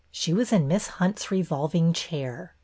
She was in Miss Hunt's revolving chair.